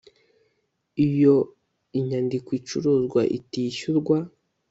iyo inyandiko icuruzwa itishyurwa